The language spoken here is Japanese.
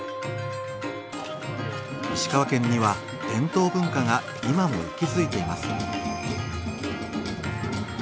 石川県には伝統文化が今も息づいています。